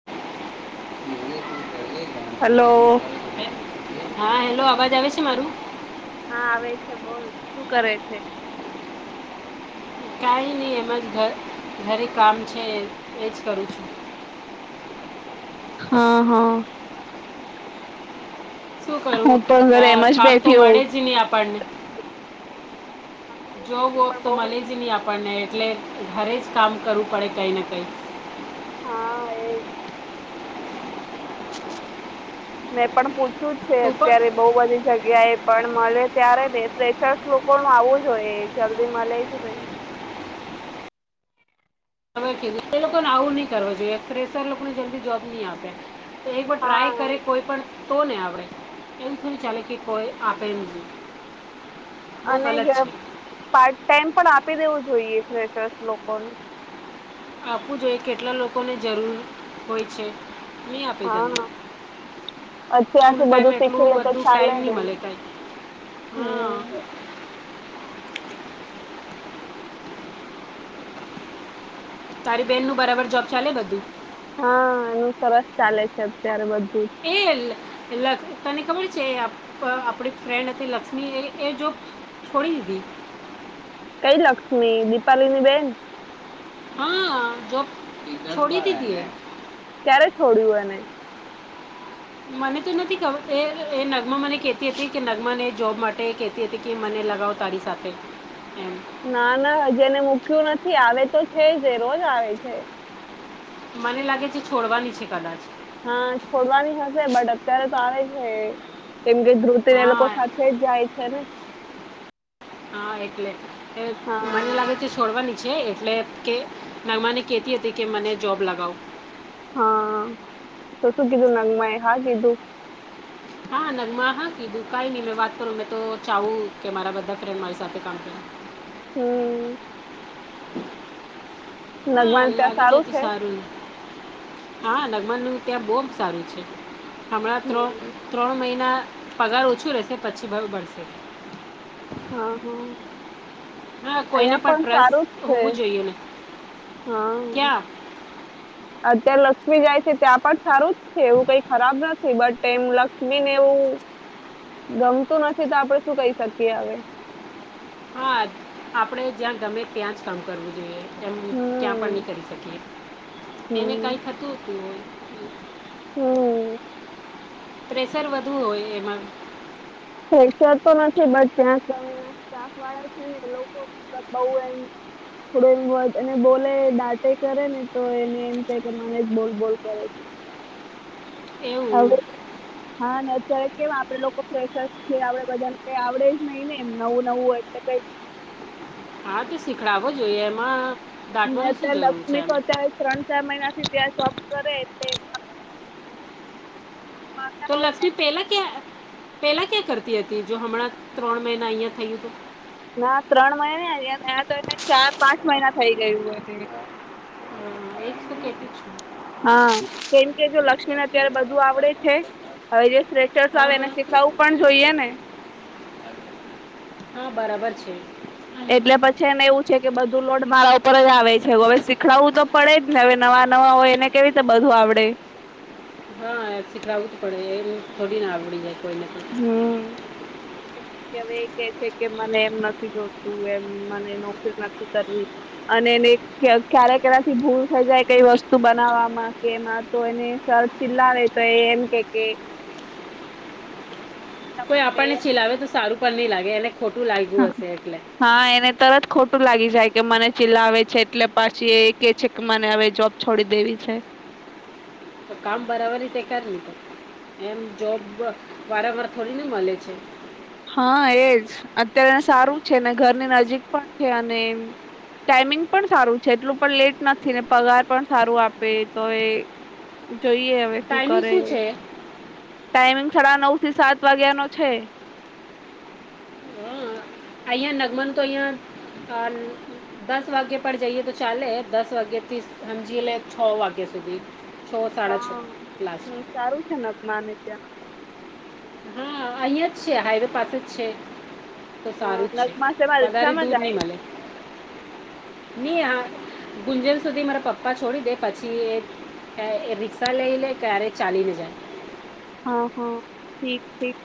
[unintelligible] Hello. હા hello, અવાજ આવે છે મારું? હા આવે છે બોલ શું કરે છે? કાંઈ નહીં એમજ ઘ ઘરે કામ છે એજ કરું છું. હા હા શું કરવું હું પણ ઘરે એમ જ કામ તો બેઠી મળે હોઉં. જ નહી આપણને. જોબ વોબ પણ તો બઉ મળે જ નહીં આપણને. એટલે ઘરે જ કામ કરવું પડે કંઈને કંઈ. હા એજ મેં પણ પૂછ્યું જ છે તું પણ અત્યારે. બહુ બધી જગ્યાએ પણ મલે ત્યારે ને ફ્રેશર લોકોનું આવું જ હોય જલ્દી મલે જ નહીં. એ લોકોને આવું નહી કરવુ જોઈએ. ફ્રેશર લોકોને જલ્દી જોબ નહી આપે. તો એકબાર ટ્રાય હા કરે કોઈ પણ. તો ને આવડે. એમ થોડી ચાલે કે કોઈ આપે જ નહીં. બહુ અને ગલત છે પાર્ટ ટાઈમ પણ આપી દેવું જોઈએ ફ્રેશર લોકોને. આપવું જોઈએ કેટલા લોકોને જરૂર હોય છે નહીં આપે જલ્દી. હા. ફૂલ અત્યારથી ટાઈમ બધું શીખી એટલું લે તો બધું ચાલે ટાઈમ નહીં ને મળે કાઈ હા. હમ. તારી બેનનું બરાબર જોબ ચાલે બધું? હા એનું સરસ ચાલે છે અત્યારે બધું. એલ એલા તને ખબર છે આપણી ફ્રેન્ડ હતી લક્ષ્મી એ એ જોબ છોડી દીધી. કઈ લક્ષ્મી દીપાલીની બેન? હા જોબ છોડી દીધી હે. ક્યારે છોડ્યું એને? મને તો નથી ખબર એ એ નગમા મને કેતી હતી કે નગમાને જોબ માટે કેત તી હતી કે મને લગાવ તારી સાથે એમ. ના ના હજી એને મૂક્યું નથી આવે તો છે જ એ રોજ આવે છે. મને લાગે છે છોડવાની છે કદાચ. હા છોડવાની હશે બટ અત્યારે તો આવે છે. કેમ કે ધ્રુત તીને એ લોકો હા સાથે જ જાય છે ને. હા એટલે એ મને હા લાગે છે છોડવાની છે એટલે કે નગમાને કહેતી હતી કે મને જોબ લગાવ. હા તો શું કીધું નગમાંએ હા કીધું? હા નગમા હા કીધું કાઈ નઈ મે વાત કરું મેં તો ચાવું કે મારા બધા ફ્રેન્ડ મારી સાથે કામ કરે. હમ હા નગમાને ત્યાં લાગી જાય તો છે સારું. હા નગમાનું ત્યાં બહુ સારું છે. હમણાં ત્રણ હમ ત્રણ મહિના પગાર ઓછું રહેશે પછી ભાવ બળશે. હા હા હા કોઈને અહિયાં પણ સારું જ ટ્રસ્ટ છે. હોવું જોઈએ ને હા ક્યાં અત્યારે લક્ષ્મી જાય છે ત્યાં પણ સારું જ છે એવું કઈ ખરાબ નથ બટ એમ લક્ષ્મીને એવું ગમતું નથી તો આપણે શું કહી શકીએ હવે. હા આપડે જ્યાં ગમે ત્યાં જ કામ કરવું જોઈએ. એમ ક્યાં પણ હમ નહી કરી શકે. એને હમ કાઈ થતું તું. હમ પ્રેશર વધુ હોય એમાં. ફ્રેશર તો નથી બટ ત્યાં કને સ્ટાફવાળા છે ને એ લોકો બહુ એમ થોડો એમ અને બોલે દાંટે કરે ને તો એને એમ થાય કે મને જ બોલ બોલ કરે. એવ [inaudible] હા ને અત્યારે કેમ આપણેે લોકો ફેરેશ છે, આપડે બધાને કઈ આવડે જ નહી ને એમ નવું નવું એટલે કઈ હા તો શીખડાવવો જોઈએ એમાં ને દાટવાની શું અત્યારે જરૂર છે લક્ષ્મી એમ તો અત્યારે ત્રણ ચાર મહિનાથી ત્યાં શોક કરે એટલે માંગતા તો હોય ને લક્ષ્મી પહેલા ક્યાં પેલા ક્યાં કરતી હતી જો હમણાં ત્રણ મહિના અહીંયા થયુંતું. ના ત્રણ મહિને તં તો એને ચાર પાંચ મહિના થઈ ગયું હોય હ એકસ કેટી છું હા કેમ કે જો લક્ષ્મીને અત્યારે બધું આવડે છે. હવે જે સ્રેચર્સ હા આવે એને હા શીખડાવુ પણ જોઈએ ને હા બરાબર છે. એટલે પછી એને એવું છે, કે બધું લોડ મારા ઉપર જ આવે છે, હવે શીખડવું તો પડે જ ને હવે નવા નવા હોય એને કેવી રીતે બધું આવડે હ એ શીખડું જ પડે એ થોડી ને આવડી જાય કોઈ હમ. કે હવે એ કે છે, કે મને એમ નથી જોતું એમ મને નોકરી નથી કરવી અને એને કરવી ક્યારે કનાથી ભૂલ થઈ જાય કઈ વસ્તુ બનાવવામાં કે એમાં તો એને સરચ ચિલાવે તો એ એમ કે કે કોઈ આપણને ખીલાવે તો સારું પણ નહીં લાગે એને ખોટું લાગ્યું હશે એટલે હા એને તરત ખોટું લાગી જાય કે મને ચિલ્લાવે છે, એટલે પાછી એ કે છે, કે મને હવે જોબ છોડી દેવી છે. તો કામ બરાબર રીતે કર લી તો એમ જોબ વારંવાર થોડી ને મલે છે. હા એજ અત્યારે સારું છે, ને ઘરની નજીક પણ છે, અને એમ ટાઈમિંગ પણ સારું છે, એટલું પણ લેટ નથી ને પગાર પણ સારું આપે તો એ જોઈએ હવે શું ટાઈમિંગ કરે છે ટાઈમિંગ સાડા નવ થી સાત વાગ્યા નો છે. હ અહંયા નગમન તો અહયા હાલ દસ વાગ્યા પર જઈએ તો ચાલે દસ વાગ્ય થી હમજી લે છ વાગ્યા સુધી છ સાડા છ ક્લાસ નપમાને ત્યા હા અહિયાં જ છે, હાઈવે પાસે જ છે. તો સારું જ હા છે નગમા સેમા રીક્ષા મા જાય ની આ ગુંજન સુધી મારા પપ્પા છોડી દે પછી એ એ રિક્ષા લઈ લે ક્યારે ચાલી ને જાય હા હ ઠીક ઠીક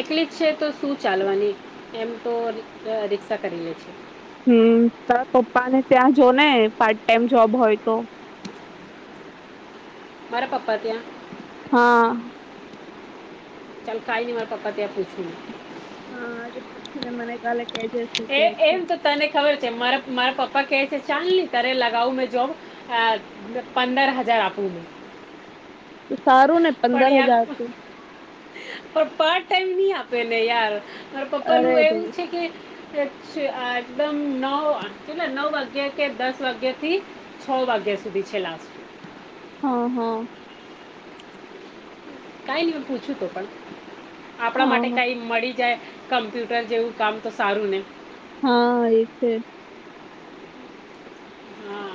એકલી જ છે, તો શું ચાલવાની એમ તો ર રિક્ષા કરી લે છે. હમ તા પપ્પાને ત્યાં જો ને પાર્ટ ટાઈમ જોબ હોય તો મારા પપા ત્યાં હા. ચાલ કાઈ ની મારા પપા ત્યા પૂછી હા આજે પુછી ને મને કાલે કેજે એ એમ [unintelligible] તો તને ખબર છે, મારા મારા પપ્પા કે છે, ચાલ ને તારે લગાવું મેં જોબ હા સારુ પંદર હજાર આપુ મેં તો સારું ને પણ પંદર યાર હજાર તો પણ પાર્ટ ટાઈમની આપે ને યાર મારા અરે પપ્પાનું એવું ભઈ છે, કે એકદમ નવ કેટલા નવ વાગ્યા કે દસ વાગ્યા થી છ વાગ્યા સુધી છે લાસ્ટ. હા હ. કાઈ ની હું પૂછું તો પણ આપણા માટે હા કાઈ મળી જાય કમ્પ્યુટર જેવું કામ તો સારું ને. હા એ છે. હા.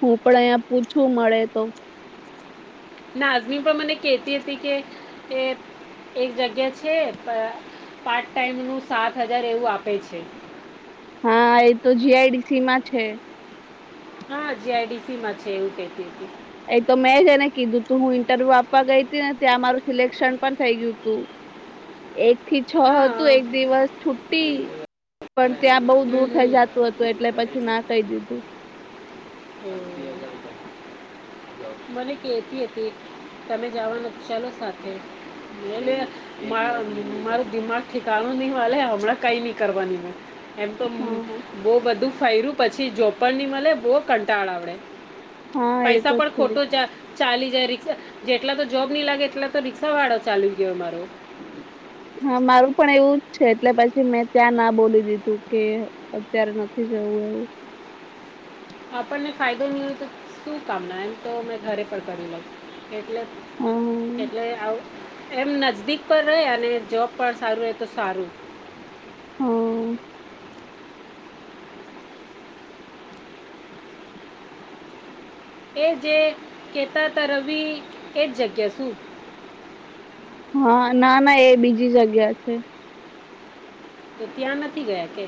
હું પણ અહીંયા પૂછું મળે તો. નાજમી પણ મને કેતી હતી કે એ એક જગ્યા છે પાર્ટ ટાઈમ નું સાત હજાર એવું આપે છે. હા એ તો જી આઈ ડી સી મા છે. હા જી આઈ ડી સી માં છે એવું કેતી હતી. એ તો મેં જ એને કીધું તું હું ઇન્ટરવ્યુ આપવા ગઈ તી ને ત્યાં મારું સિલેક્શન પણ થઈ ગયું તું. એક થી છ હતું એક હા દિવસ છુટી હમ, પણ ત્યાં બઉ દૂર થઈ હમ. જાતું હતું એટલે પછી ના કહી દીધું. હમ્મ. મને કેતી હતી, તમે જવાના તો ચાલો સાથે. એ મારા માર. દિમાગ ઠિકનો નહી મલહે હમણા કઈ ની કર કરવાની મે એમ તો હા બહુ બધું ફૈર્યું પછી જોબ પણ ની મળે બહુ કંટાળો આવડે. હા એ પૈસા તો પણ છે જ. ખોટો જાત. ચાલી જાયરી જેટલા તો જોબ નહી લાગે એટલા તો રિક્ષા વાળો ચાલુ ગયો અમારો. હા, મારું પણ એવું જ છે એટલે પછી મેં ત્યાં ના બોલી દીધું કે અત્યારે [unintelligible] એવું. આપણને ફાયદો મળ્યો તો શું કામના એમ તો મેં ઘરે પણ કરી લઉ એટલે હા એટલે એમ નજદીક પણ રહે અને જોબ પણ સારું રહે તો સારું. હમ્મ. એ જે કહેતા તા રવિ એ જ જગ્યા શું. હા, ના ના એ બીજી જગ્યા છે. તો ત્યાં નથી ગયા કે?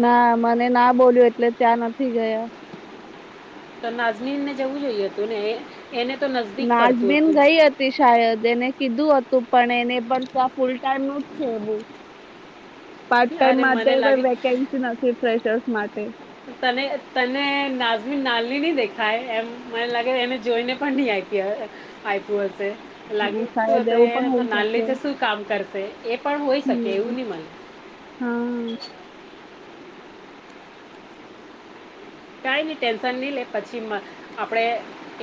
ના, મને ના બોલ્યો એટલે ત્યાં નથી ગયા. તો નાઝીમને જવું જોઈએ હતું ને એને તો નજદીક પડતું નાઝબીન હતું. ગઈ શાયદ એને કીધું હતું પણ એને પણ ત્યાં ફૂલ ટાઈમ નું જ છે [unintelligible] પાર્ટ હતું ટાઈમ અરે મને લાગે વેન નથી પ્રેશર્સ માટે. તને તને નાઝમી નાલની નહી દેખાય એમ મને લાગે એને જોઈને પણ નહી આપી હહે. આઈ પુ હશે. લાગે હા, તું શાયદ તો એવું પણ એને તો હોઈ નાનલી શકે ચે શું કામ કરશે એ પણ હોય શકે એવું હમ નહી માને. હા. કાંઈ ન ટેન્શન નહીં લે, પછી આપણે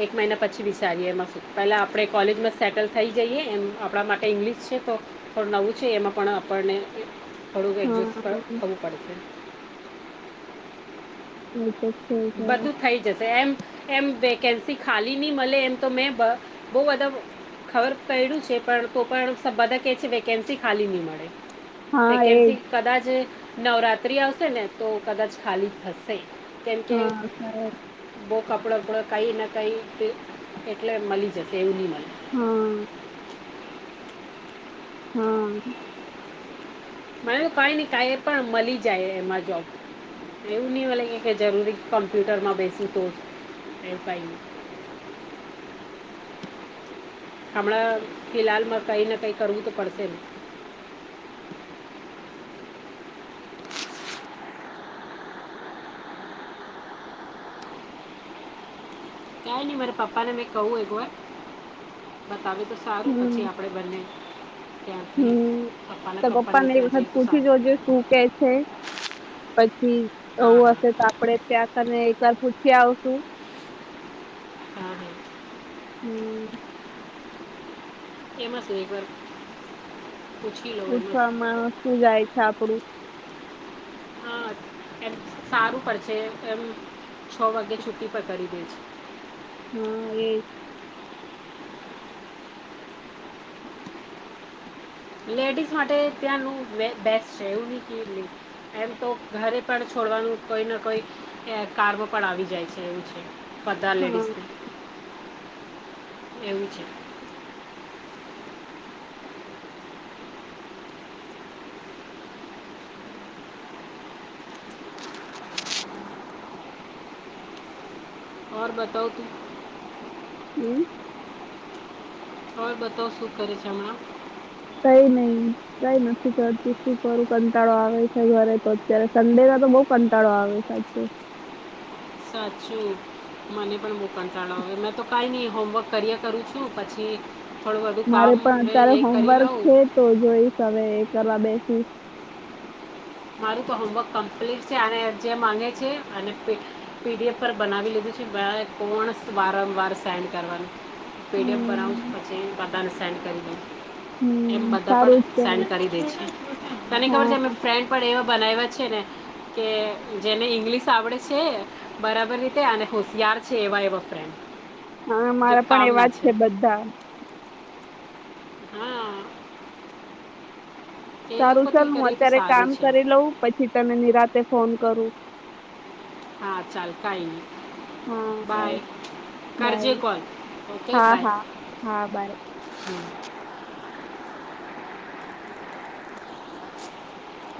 એક મહિના પછી વિચારીએ એમાં શું આપણે કોલેજમાં સેટલ થઈ જઈએ એમ આપણા માટે ઈંગ્લિશ છે તો થડું નવું છે એમાં પણ આપણને થોડુંક એડજસ્ટ હા થવું પડશે. હમ્મ. બધું થઈ જશે એમ. એમ વેકેન્સી ખાલી નહી મળે એમ તો મેં બ બહુ બધા ખબર ક્યું છે પણ તો પણ બધા કે છે વેકેન્સી ખાલી નહી મળે. હા એજ વેન્સી કદાચ નવરાત્રી આવશે ને, તો કદાચ ખાલી થશે. તેમ કે. હા શાયદ બહુ કપડ ઉપપડ કઈ ને, કઈ એટલે મળી જશે એવું નહી મળે. હમ્મ. હા. મને તો કઈ ને, કઈ એ પણ મળી જાય એમાં જોબ એવું નહી લાગ કે, જરૂરી કોમ્પ્યુટર માં બેસી તો એ. હમણાં ફિહાલમાં કંઈ ને, કંઈ કરવું તો પડશે ને? કઈ નહી, મારા પપ્પાને મેં કહું એક વાર બતાવે, તો સારું પછી હમ આપડે. બંદ. હમ, તો પપ્પાનેરી ત્યાં વખત જઈએ તો પૂછી સારું જોજો શું કે છે? હા હા એવું? આપે ત્યાંક ને, એક વાર પૂછી આવશું. હા, હા. હમ કેમાં સુક ઓછામાં શું જાય છે, આપડું. હા, એમ સારું પર છે, એમ છ વાગે છુ્ટી પર કરી દે છે. હા, એ. લેડીઝ માટે ત્યાંનું બેસ્ટ છે, એવું ન કે. એમ તો ઘરે પણ છોડવાનું કોઈ ના, કોઈ કારમો પણ આવી જાય છે એવું છે. બધા હા લેડીસ એવું છે. બતાવ કે. હમ્મ. હવે બતાવ શું કરે છે? હમણાં. કઈ નહી. કઈ કરતી શ કરરું કંટાળો આવે છે, ઘરે તો સંન્ડે ના તો બઉ કંટાળો આવે. સાચજ. સાચું મને પણ બહ કંટાળો આવે, મેં તો કાંઈ નહીં, હોમવર્ક કરીએ કરું છું. શું પછી થોડું બધું મારે કામ પણ અત્યારે એ કરી હોમવર્ક લઉં. છે તો જોઈશ, હવે એ કરવા બેસીશ. મારું તો હોમવર્ક કમ્પ્લીટ છે, અને જે માગે છે, પ પીડીએફ પર બનાવી છે બ. પોણ વારંવાર સાેન્ડ કરવાનું. પેટીએફ પર અઉું હમ પછી પતાને સેન્ડ કરી દે. એમ હમ બધા સારું પણ જ કેવાય સેન્ડ કરી દે છે, તને ખબર હા છે, અમે ફ્રેન્ડ પણ એવા બનાવ્યા છે ને. કે જેને ઈંગ્લિશ આવડે છે. બરાબર, રીતે અને હોશિયાર છે, એવા એવા ફ્રેન્ડ. હા, જે મારા પણ એવા કામના જ છે બધા. હા. એ સારું, સર લોકોથી હું કરીએ તો અત્યારે સારું કામ છે કરી લઉં, પછી તને નિરાતે ફોન કરું. હા, ચાલ કઈ નહી. બાય કરજે, બાય કોલ ઓકે હા બાય. હા હા બાય હમ.